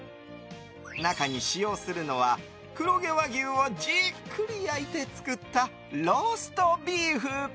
中に使用するのは黒毛和牛をじっくり焼いて作ったローストビーフ。